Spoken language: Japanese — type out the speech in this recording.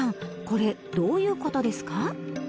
これどういうことですか？